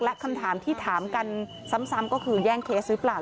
และคำถามที่ถามกันซ้ำก็คือแย่งเคสหรือเปล่า